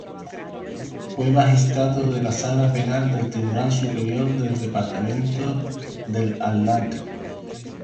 Fue Magistrado de la Sala Penal del Tribunal Superior del departamento del Atlántico.